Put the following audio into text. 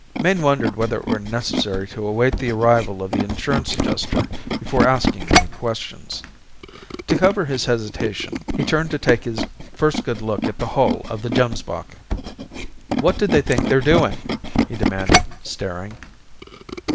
Mayne wondered whether it were necessary to await the arrival of the insurance adjustor before asking any questions. To cover his hesitation, he turned to take his first good look at the hull of the Gemsbok. "What do they think they're doing?" he demanded, staring.